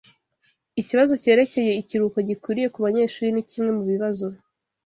Ikibazo cyerekeye ikiruhuko gikwiriye ku banyeshuri ni kimwe mu bibazo